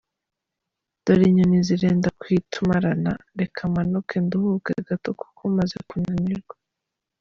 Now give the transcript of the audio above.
dore inyoni zirenda kuyitumarana. Reka manuke nduhuke gato kuko maze kunanirwa.